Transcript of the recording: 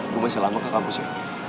gua masih lama ke kampus ya